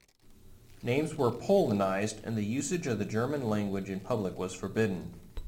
Names were "Polonised" and the usage of the German language in public was forbidden.